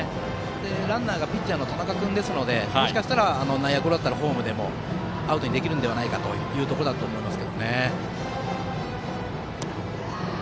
ランナーがピッチャーの田中君ですのでもしかしたら内野ゴロだったらホームでもアウトにできるのではないかということだと思います。